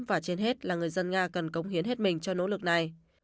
và trên hết là người dân nga cần cống hiến hết mình cho nỗ lực này